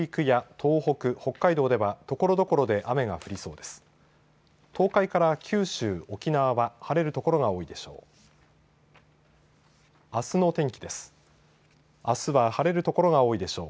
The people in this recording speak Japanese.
東海から九州、沖縄は晴れる所が多いでしょう。